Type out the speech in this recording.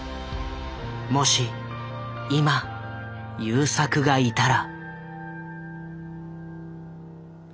もし今優作がいたら。